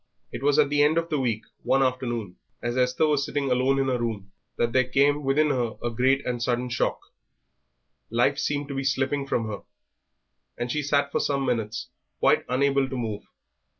It was at the end of the week, one afternoon, as Esther was sitting alone in her room, that there came within her a great and sudden shock life seemed to be slipping from her, and she sat for some minutes quite unable to move.